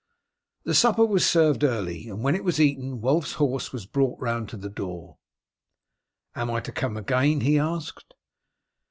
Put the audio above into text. The supper was served early, and when it was eaten Wulf's horse was brought round to the door. "Am I to come again?" he asked.